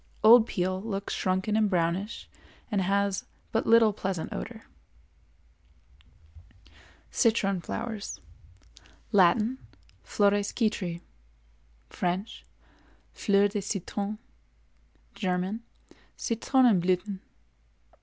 Old peel looks shrunken and brownish and has but little pleasant odor. CITRON FLOWERS. Latin—Flores Citri; French—Fleurs de citron; German—Citronenblüthen.